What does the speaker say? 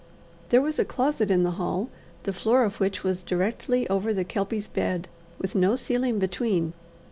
There was a closet in the hall, the floor of which was directly over the Kelpie's bed, with no ceiling between.